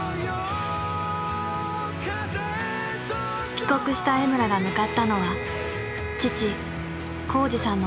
帰国した江村が向かったのは父宏二さんのもと。